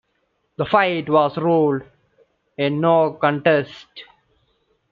The fight was ruled a no contest.